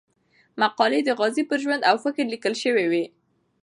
مقالې د غازي پر ژوند او فکر ليکل شوې وې.